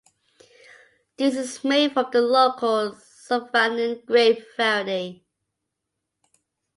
This is made from the local Savagnin grape variety.